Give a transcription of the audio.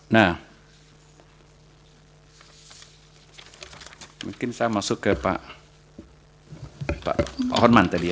nah mungkin saya masuk ke pak horman tadi ya